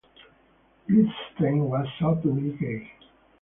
Blitzstein was openly gay.